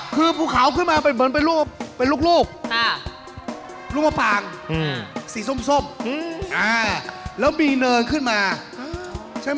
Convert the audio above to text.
คือภูเขาขึ้นมาเป็นเหมือนเป็นลูกลูกมะปางสีส้มแล้วมีเนินขึ้นมาใช่ไหม